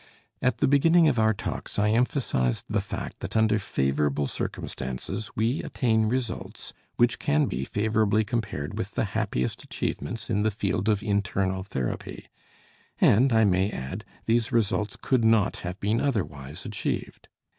At the beginning of our talks I emphasized the fact that under favorable circumstances we attain results which can be favorably compared with the happiest achievements in the field of internal therapy, and, I may add, these results could not have been otherwise achieved.